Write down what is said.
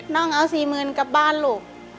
น้องเอา๔๐๐๐กลับบ้านลูก